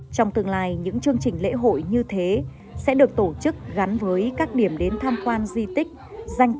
trong tương lai những chương trình lễ hội như thế sẽ được tổ chức gắn với các điểm đến tham quan di tích danh thắng ở địa phương